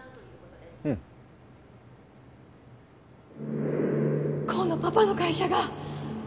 うん功のパパの会社が